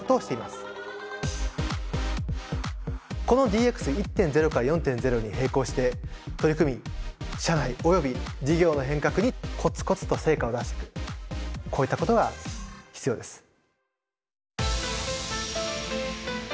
このＤＸ１．０から４．０に並行して取り組み社内および事業の変革にコツコツと成果を出していくこういったことが必要です。